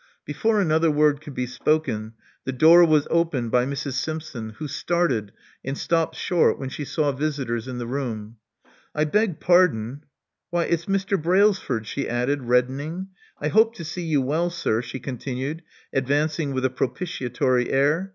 Before another word could be spoken the door was opened by Mrs. Simpson, who started and stopped short when she saw visitors in the room. I beg pardon Why, it's Mr. Brailsford," she added, reddening. I hope I see you well, sir," she continued, advancing with a propitiatory air.